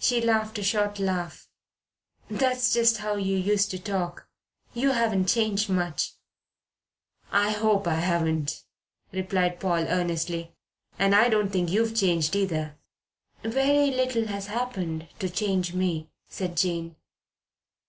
She laughed a short laugh. "That's just how you used to talk. You haven't changed much." "I hope I haven't," replied Paul earnestly. "And I don't think you've changed either." "Very little has happened to change me," said Jane.